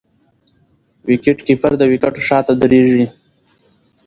وکيټ کیپر د وکيټو شاته درېږي.